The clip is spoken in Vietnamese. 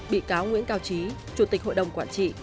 bị cáo nguyễn cao trí chủ tịch hội đồng quản trị